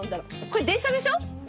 これ電車でしょ？